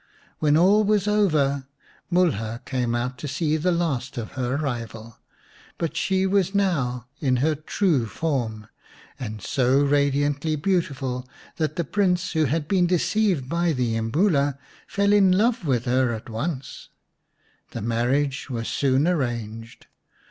When all was over, Mulha came out to see the last of her rival. But she was now in her true form, and so radiantly beautiful that the Prince who had been deceived by the Imbula fell in love with her at once. The marriage was soon arranged.